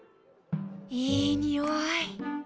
いいにおい。